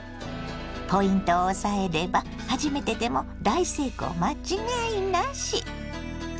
ポイントを押さえれば初めてでも大成功間違いなし。